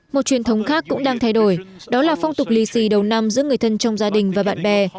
một truyền thống khác cũng đang thay đổi đó là phong tục lì xì đầu năm giữa người thân trong gia đình và bạn bè